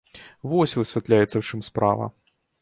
Вось, высвятляецца, у чым справа!